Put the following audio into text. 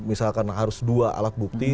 misalkan harus dua alat bukti